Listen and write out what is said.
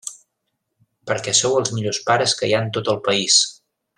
Perquè sou els millors pares que hi ha en tot el país!